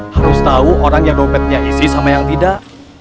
harus tahu orang yang dompetnya isi sama yang tidak